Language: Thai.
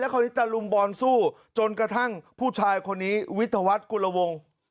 คราวนี้ตะลุมบอลสู้จนกระทั่งผู้ชายคนนี้วิทยาวัฒน์กุลวง